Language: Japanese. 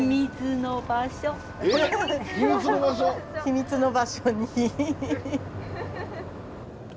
秘密の場所に。